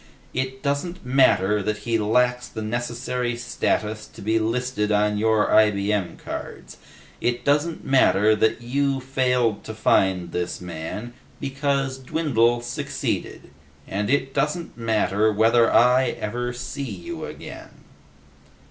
It doesn't matter that he lacks the necessary status to be listed on your IBM cards. It doesn't matter that you failed to find this man, because Dwindle succeeded. And, it doesn't matter whether I ever see you again!"